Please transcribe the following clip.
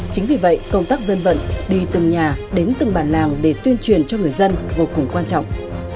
chính vì vậy công tác dân vận đi từng nhà đến từng bản làng để tuyên truyền cho người dân vô cùng quan trọng